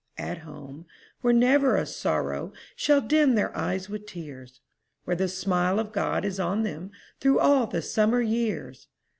At home, where never a sorrow Shall dim their eyes with tears! Where the smile of God is on them Through all the summer years!